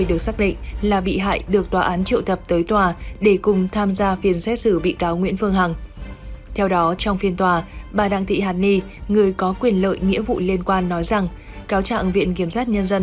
cuối tháng chín năm hai nghìn hai mươi ba phiên tòa ngày đầu tiên xét xử bị cáo nguyễn phương hằng cùng các đồng phạm được diễn ra trong sự ngóng đợi của rất nhiều người dân quan tâm